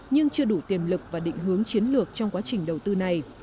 nhưng chưa đủ tiềm lực và định hướng chiến lược trong quá trình đầu tư này